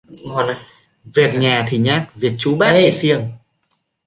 Việc nhà thì nhác việc chú bác thì siêng